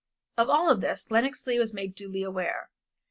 Of all this Lenox Leigh was made duly aware.